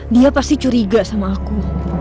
dia pasti curiga sama aku